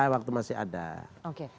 waktu masih ada oke